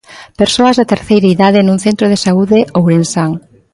Persoas da terceira idade nun centro de saúde ourensán.